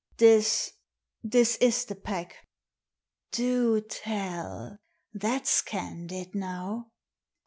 '*" This — this is the pack." "Do tell! That's candid, now.